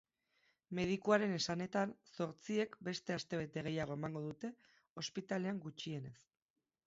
Medikuaren esanetan, zortziek beste astebete gehiago emango dute ospitalean gutxienez.